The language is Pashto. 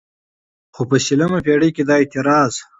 خو په شلمه پېړۍ کې دا اعتراض